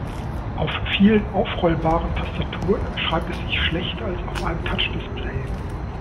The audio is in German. Auf vielen aufrollbaren Tastaturen schreibt es sich schlechter als auf einem Touchdisplay.